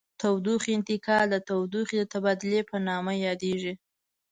تودوخې انتقال د تودوخې د تبادل په نامه یادیږي.